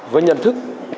và nhận thức